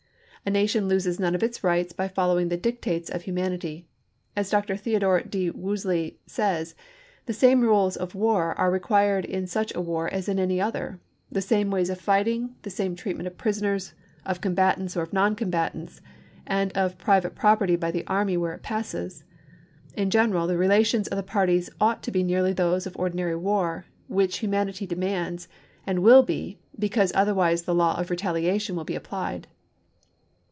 A nation loses none of its rights by following the dictates of humanity. As Dr. Theo dore D. Woolsey says :" The same rules of war are required in such a war as in any other — the same ways of fighting, the same treatment of prisoners, of combatants or of non combatants, and of pri vate property by the army where it passes. .. In general, the relations of the parties ought to be nearly those of ordinary war, which humanity demands, and will be, because otherwise the law of retaliation will be applied."